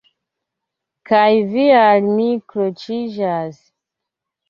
Kaj vi al mi kroĉiĝas.